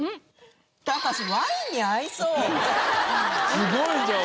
すごいじゃん！